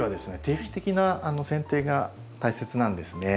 定期的なせん定が大切なんですね。